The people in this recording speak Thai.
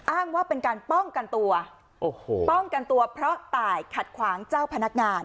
อ้างว่าเป็นการป้องกันตัวโอ้โหป้องกันตัวเพราะตายขัดขวางเจ้าพนักงาน